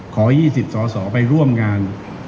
ขอ๒๐สอสอไปร่วมงาน